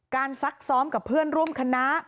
ซักซ้อมกับเพื่อนร่วมคณะ